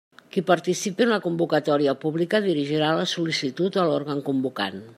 Qui participe en la convocatòria pública dirigirà la sol·licitud a l'òrgan convocant.